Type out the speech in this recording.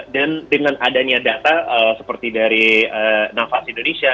dan dengan adanya data seperti dari navas indonesia